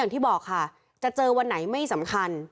พี่บอกค่ะจะเจอวันไหนไม่สำคัญ